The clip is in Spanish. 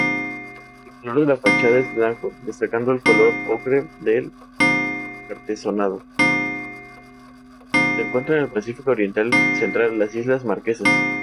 Se encuentra en el Pacífico oriental central: las Islas Marquesas.